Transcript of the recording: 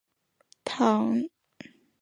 倘一答应，夜间便要来吃这人的肉的